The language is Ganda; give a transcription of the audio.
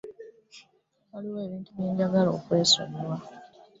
Waliwo ebintu bye njagala okwesonyiwa.